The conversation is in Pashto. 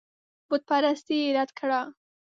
بتپرستي یې رد کړه.